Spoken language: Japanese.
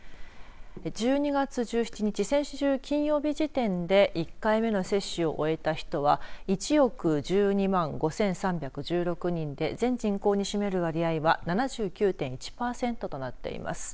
１２月１７日、先週金曜日時点で１回目の接種を終えた人は１億１２万５３１６人で全人口に占める割合は７９．１パーセントとなっています。